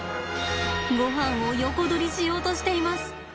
ごはんを横取りしようとしています。